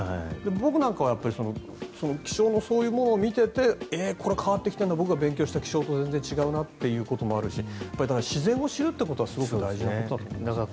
僕なんかは気象のそういうものを見ていてえ、これ、変わってきてるの僕が勉強してきた気象とは全然違うなってこともあるし自然を知るってことはすごく大事なことだと思いますね。